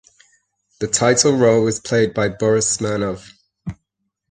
The title role was played by Boris Smirnov.